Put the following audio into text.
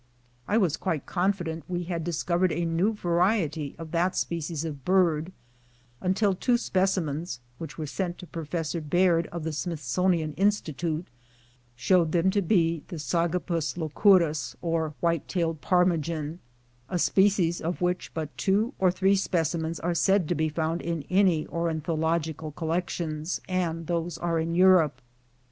I was quite confident we had discovered a new variety of that species of bird, until two specimens which were sent to Professor Baird, of the Smith sonian Institute, showed them to be the ^' Sagopus leucurus,''^ or white tailed ptarmigan, a species of which but two or three specimens are said to be found in any ornithological collections, and those are in Europe.